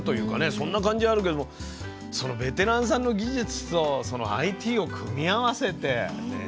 そんな感じあるけれどもそのベテランさんの技術とそのＩＴを組み合わせてね。